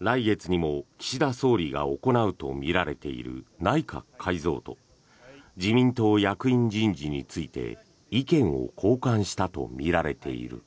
来月にも岸田総理が行うとみられている内閣改造と自民党役員人事について意見を交換したとみられている。